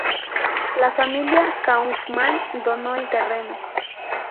La familia Kaufman donó el terreno.